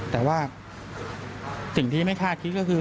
แต่ว่าสิ่งที่ไม่คาดคิดก็คือ